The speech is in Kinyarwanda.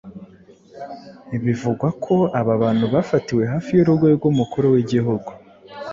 Bivugwa ko aba bantu bafatiwe hafi y’urugo rw’umukuru w’igihugu